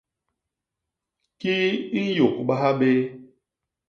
Kii i nyôgbaha bé?